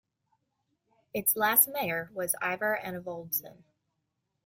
Its last mayor was Ivar Enevoldsen.